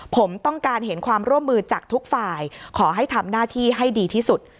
ผมต้องการเห็นความร่วมมือจากทุกฝ่ายขอให้ทำหน้าที่ให้ดีที่สุด